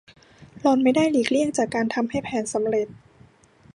หล่อนไม่ได้หลีกเลี่ยงจากการทำให้แผนสำเร็จ